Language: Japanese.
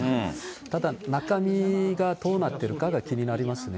ただ、中身がどうなってるかが気になりますね。